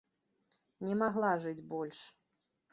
Не магла жыць больш.